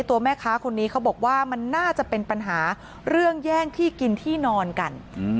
ตัวแม่ค้าคนนี้เขาบอกว่ามันน่าจะเป็นปัญหาเรื่องแย่งที่กินที่นอนกัน